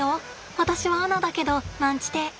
私はアナだけどなんちて。